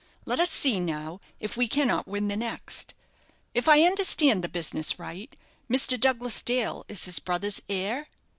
Let us see, now, if we cannot win the next. If I understand the business right, Mr. Douglas Dale is his brother's heir?"